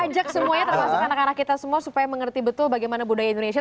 ajak semuanya termasuk anak anak kita semua supaya mengerti betul bagaimana budaya indonesia